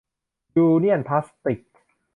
ยูเนี่ยนพลาสติก